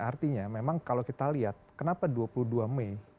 artinya memang kalau kita lihat kenapa dua puluh dua mei